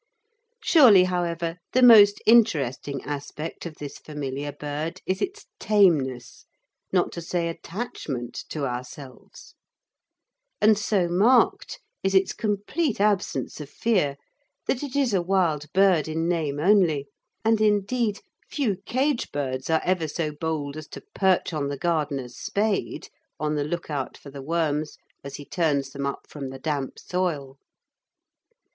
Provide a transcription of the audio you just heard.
Surely, however, the most interesting aspect of this familiar bird is its tameness, not to say attachment to ourselves, and so marked is its complete absence of fear that it is a wild bird in name only, and indeed few cage birds are ever so bold as to perch on the gardener's spade on the look out for the worms as he turns them up from the damp soil.